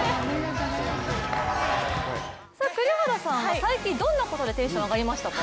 栗原さんは最近どんなことでテンション上がりましたか？